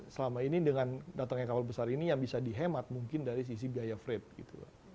selama ini dengan datangnya kapal besar ini yang bisa dihemat mungkin dari sisi biaya frate gitu